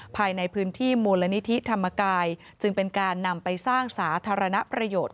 ภายในพื้นที่มูลนิธิธรรมกายจึงเป็นการนำไปสร้างสาธารณประโยชน์